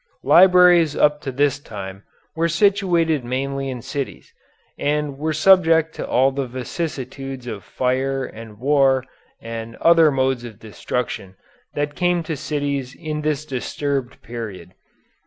Libraries up to this time were situated mainly in cities, and were subject to all the vicissitudes of fire and war and other modes of destruction that came to cities in this disturbed period.